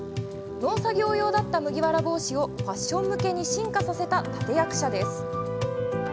農作業用だった麦わら帽子をファッション向けに進化させた立て役者です。